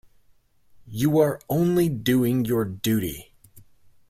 You are only doing your duty.